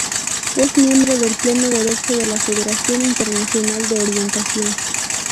Es miembro de pleno derecho de la Federación Internacional de Orientación.